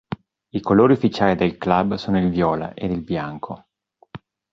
I colori ufficiali del club sono il viola ed il bianco.